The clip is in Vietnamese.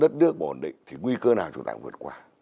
đất nước mà ổn định thì nguy cơ nào chúng ta cũng vượt qua